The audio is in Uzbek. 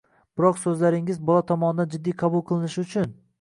Biroq so‘zlaringiz bola tomonidan jiddiy qabul qilinishi uchun